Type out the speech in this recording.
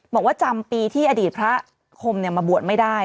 บอกว่าจำปีที่อดีตพระคมมาบวชไม่ได้